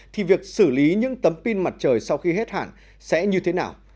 thì việc xử lý những tấm pin mặt trời sau khi hết hạn sẽ như thế nào